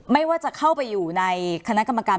ไม่ว่าจะเข้าไปอยู่ในคณะกรรมการ